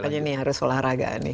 makanya ini harus olahraga nih